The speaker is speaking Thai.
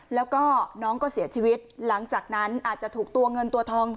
แล้วก็น้องก็เสียชีวิตหลังจากนั้นอาจจะถูกตัวเงินตัวทอง